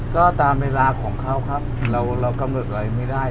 ก็ตามเวลาของเขาครับเรากำหนดอะไรไม่ได้